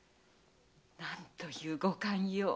何というご寛容。